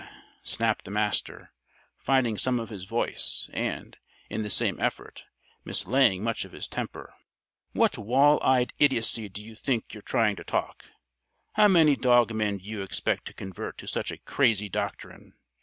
snapped the Master, finding some of his voice and, in the same effort, mislaying much of his temper. "What wall eyed idiocy do you think you're trying to talk? How many dog men do you expect to convert to such a crazy doctrine?